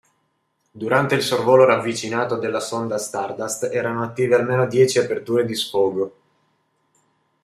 Durante il sorvolo ravvicinato della sonda Stardust, erano attive almeno dieci aperture di sfogo.